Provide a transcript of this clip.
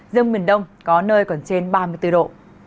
riêng miền đông có nơi còn trên ba mươi bốn độ